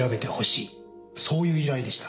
そういう依頼でした。